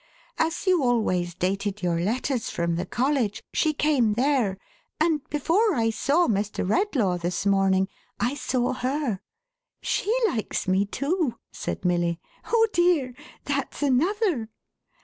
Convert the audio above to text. As you always dated your letters from the college, she came there ; and before I saw Mr. Redlaw this morning, I saw her. She likes me too !" said Milly. " Oh dear, that's another